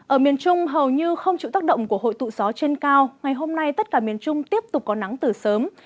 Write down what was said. ở miền trung hầu như không chịu tác động của hội tụ gió trên cao ngày hôm nay tất cả miền trung tiếp tục có nắng từ sớm